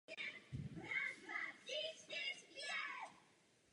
Přesto se samostatného mistrovství Evropy zúčastnil do té doby nejvyšší počet mužstev.